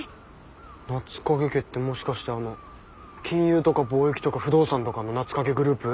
夏影家ってもしかしてあの金融とか貿易とか不動産とかの夏影グループ？